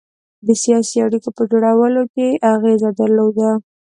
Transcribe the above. د سیاسي اړېکو په جوړولو کې اغېزه درلوده.